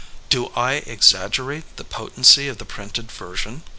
Do I exaggerate the potency of the printed ver sion?